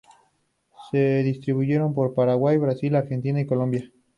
Se distribuyen por Paraguay, Brasil, Argentina y Colombia.